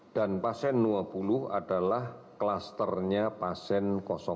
dan pasien dua puluh adalah klusternya pasien satu